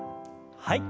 はい。